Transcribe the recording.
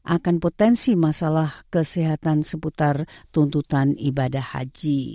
akan potensi masalah kesehatan seputar tuntutan ibadah haji